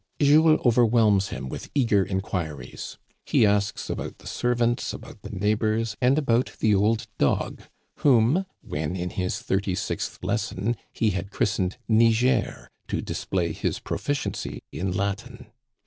Jules overwhelms him with eager inquiries. He asks about the servants, about the neighbors, and about the old dog whom, when in his thirty sixth lesson, he had christened Niger to display his proficiency in Latin.